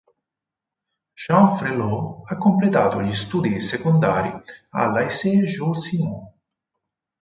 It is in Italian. Jean Frélaut ha completato gli studi secondari al Lycée Jules Simon.